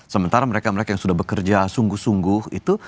sementara mereka mereka yang sudah bekerja sungguh sungguh itu